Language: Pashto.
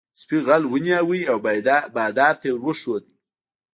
سپي غل ونیو او بادار ته یې ور وښود.